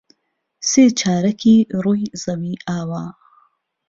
سێ چارەکی ڕووی زەوی ئاوە.